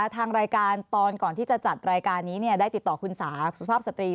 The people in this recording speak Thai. ทางรายการตอนก่อนที่จะจัดรายการนี้ได้ติดต่อคุณสาสุภาพสตรี